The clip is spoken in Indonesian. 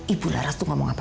ibu laras tidak mau apa apa